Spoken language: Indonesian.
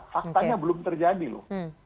faktanya belum terjadi loh